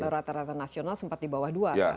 rata rata nasional sempat di bawah dua